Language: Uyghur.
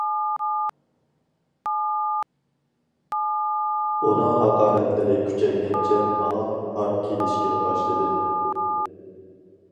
ئۇنىڭ ھاقارەتلىرى كۈچەيگەنچە ماڭا ھار كېلىشكە باشلىدى.